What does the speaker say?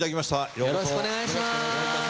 よろしくお願いします。